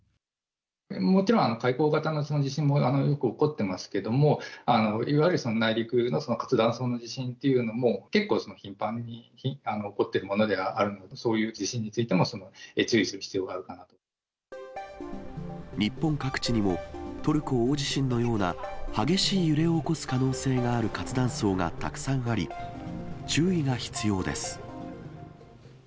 もちろん、海溝型の地震もよく起こってますけども、いわゆる内陸の活断層の地震というのも、結構頻繁に起こってるものではあるんで、そういう地震についても、日本各地にも、トルコ大地震のような、激しい揺れを起こす可能性がある活断層がたくさんあり、注意が必要です。